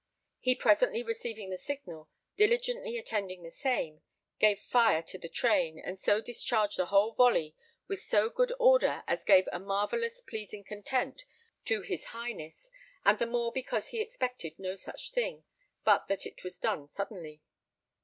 He, presently receiving the signal, diligently attending the same, gave fire to the train, and so discharged the whole volley with so good order as gave a marvellous pleasing content to his Highness (and the more because he expected no such thing, but that it was done suddenly).